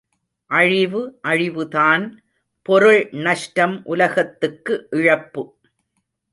அழிவு அழிவுதான் பொருள் நஷ்டம் உலகத்துக்கு இழப்பு.